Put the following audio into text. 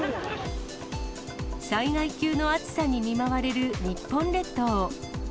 災害級の暑さに見舞われる日本列島。